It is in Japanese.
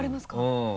うん。